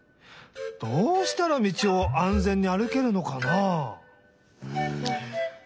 どうしたら道を安全に歩けるのかな？